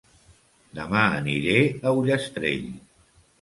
Dema aniré a Ullastrell